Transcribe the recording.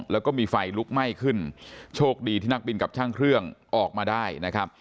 แล้วก็มีไฟลุกไหม้ขึ้นโชคดีที่นักบินกับช่างเครื่องออกมาได้นะครับ